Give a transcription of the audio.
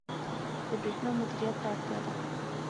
• د برېښنا مدیریت ته اړتیا ده.